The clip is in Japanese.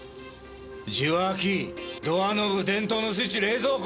受話器ドアノブ電灯のスイッチ冷蔵庫！